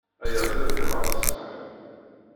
Ayaziḍ yeɣɣar ṣṣbeḥ.